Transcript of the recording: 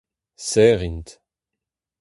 Serr int.